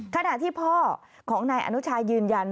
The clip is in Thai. ขณะที่พ่อของนายอนุชายืนยัน